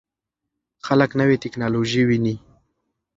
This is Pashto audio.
خلک نوې ټکنالوژي ویني.